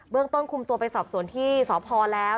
เบื้องต้นกดความกามกว้นตัวไปสอบสวนที่สอบพอแล้ว